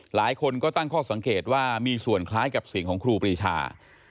หลายคนก็ตั้งข้อสังเกตว่ามีส่วนคล้ายกับเสียงของครูปรีชา